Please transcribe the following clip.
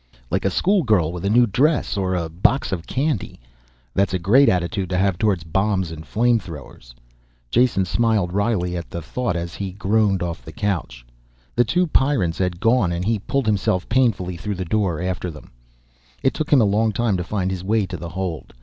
Like a schoolgirl with a new dress. Or a box of candy. That's a great attitude to have towards bombs and flame throwers. Jason smiled wryly at the thought as he groaned off the couch. The two Pyrrans had gone and he pulled himself painfully through the door after them. It took him a long time to find his way to the hold.